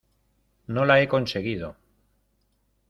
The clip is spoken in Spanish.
no la he conseguido.